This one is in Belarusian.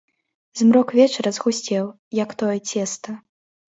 Змрок вечара згусцеў, як тое цеста.